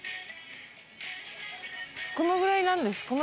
このぐらいなんです。